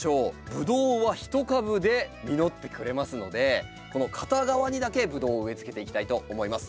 ブドウは一株で実ってくれますのでこの片側にだけブドウを植え付けていきたいと思います。